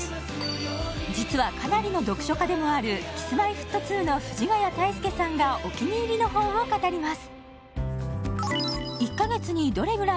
実はかなりの読書家でもあるＫｉｓ−Ｍｙ−Ｆｔ２の藤ヶ谷太輔さんがお気に入りの本を語ります